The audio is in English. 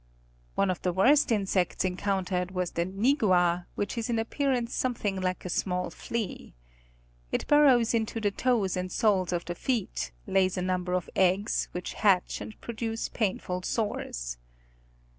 One of the worst insects encountered was the "nigua" which is in appearance something like a small flea. It burrows into the toes and soles of the feet, lays a number of eggs, which hatch and 30 National Geographic Magazine. produce painful sores.